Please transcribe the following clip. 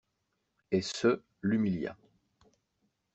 Et ce l'humilia.